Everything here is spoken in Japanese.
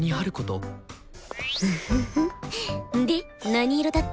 何色だった？